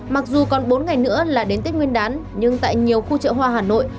mặc dù còn bốn ngày nữa là đến tết nguyên đán nhưng tại nhiều khu chợ hoa hà nội